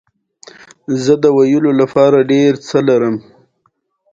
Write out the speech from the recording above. رومیان له لوبیا سره ګډ پخېږي